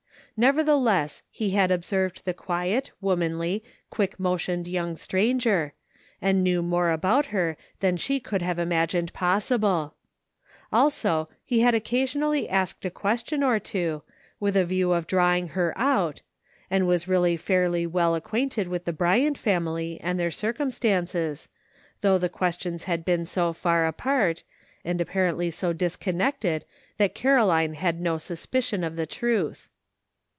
Neverthe less, he had observed the quiet, womanly, quick motioned young stranger, and knew more about her than she could have imagined possible ; also he had occasionally asked a question or two, with a view to drawing her out, and was really fairly well acquainted with the Bryant family and their circumstances, though the questions had been so far apart, and apparently so dis connected, that Caroline had no suspicion of the truth.